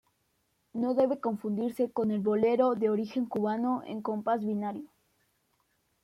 No debe confundirse con el bolero de origen cubano en compás binario.